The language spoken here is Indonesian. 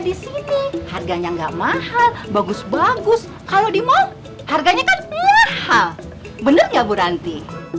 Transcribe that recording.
disini harganya enggak mahal bagus bagus kalau di mau harganya kan hal hal bener nggak buranti